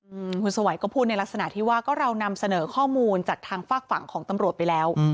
อืมคุณสวัยก็พูดในลักษณะที่ว่าก็เรานำเสนอข้อมูลจากทางฝากฝั่งของตำรวจไปแล้วอืม